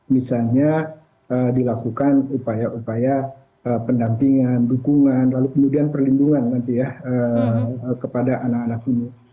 misalnya dilakukan upaya upaya pendampingan dukungan lalu kemudian perlindungan nanti ya kepada anak anak ini